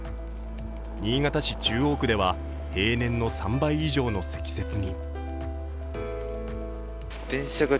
新潟市中央区では平年の３倍以上の積雪に。